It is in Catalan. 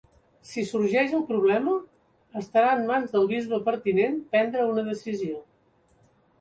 Si sorgeix el problema, estarà en mans del bisbe pertinent prendre una decisió.